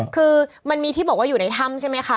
คือมันมีที่บอกว่าอยู่ในถ้ำใช่ไหมคะ